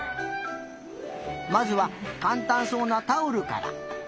まずはかんたんそうなタオルから。